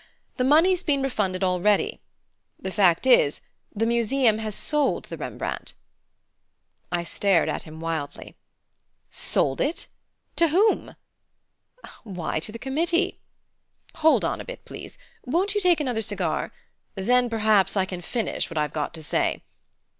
The money's been refunded already. The fact is, the Museum has sold the Rembrandt." I stared at him wildly. "Sold it? To whom?" "Why to the committee. Hold on a bit, please. Won't you take another cigar? Then perhaps I can finish what I've got to say.